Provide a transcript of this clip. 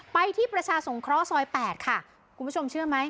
ไปที่ประชาสงเคราะห์ซอย๘ค่ะคุณผู้ชมเชื่อไหม